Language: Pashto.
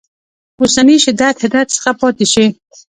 اوسني شدت حدت څخه پاتې شي.